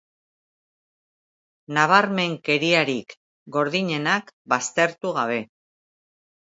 Nabarmenkeriarik gordinenak baztertu gabe.